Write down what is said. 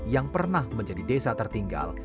yang pernah menjadi desa tertinggal